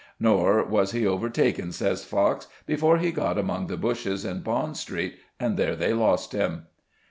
Nor was he overtaken, says Fox, before he got among the bushes in Bond Street, and there they lost him."